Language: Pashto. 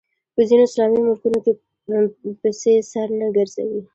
په ځینو اسلامي ملکونو کې پسې سر نه ګرځوي